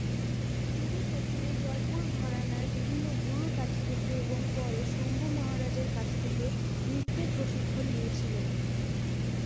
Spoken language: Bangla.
তিনি প্রথমে জয়পুর "ঘরানার" বিভিন্ন গুরুর কাছ থেকে এবং পরে শম্ভু মহারাজের কাছ থেকে নৃত্যের প্রশিক্ষণ নিয়েছিলেন।